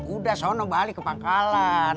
udah sono balik ke pangkalan